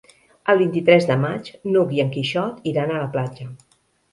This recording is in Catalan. El vint-i-tres de maig n'Hug i en Quixot iran a la platja.